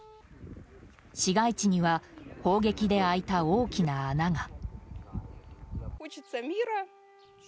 市街地には砲撃で開いた大きな穴が。